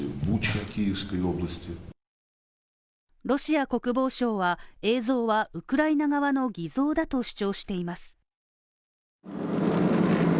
ロシア国防省は映像はウクライナ側の偽造だと主張しています。